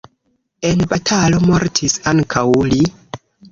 En batalo mortis ankaŭ li.